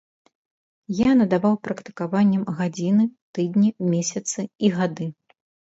Я надаваў практыкаванням гадзіны, тыдні, месяцы і гады.